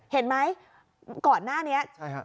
เห็นไหมก่อนหน้านี้